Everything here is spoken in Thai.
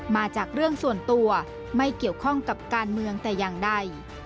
มาจากเรื่องส่วนตัวไม่เกี่ยวข้องกับการเมืองแต่อย่างใด